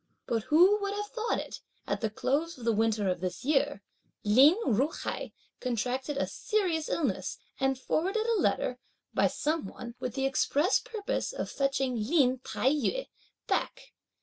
But who would have thought it, at the close of winter of this year, Lin Ju hai contracted a serious illness, and forwarded a letter, by some one, with the express purpose of fetching Lin Tai yü back.